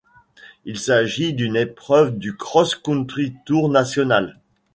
Il s'agit d'une épreuve du Cross Country Tour National.